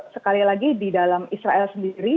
sekali lagi di dalam israel sendiri